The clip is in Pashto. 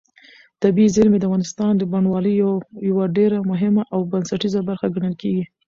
طبیعي زیرمې د افغانستان د بڼوالۍ یوه ډېره مهمه او بنسټیزه برخه ګڼل کېږي.